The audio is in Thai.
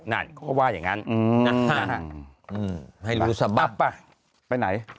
นั่นก็ว่าอย่างนั้น